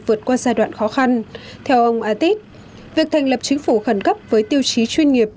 vượt qua giai đoạn khó khăn theo ông atit việc thành lập chính phủ khẩn cấp với tiêu chí chuyên nghiệp